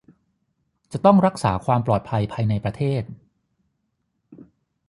จะต้องรักษาความปลอดภัยภายในประเทศ